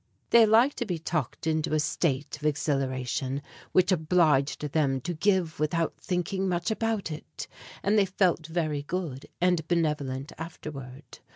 They liked to be talked into a state of exhilaration which obliged them to give without thinking much about it, and they felt very good and benevolent afterward.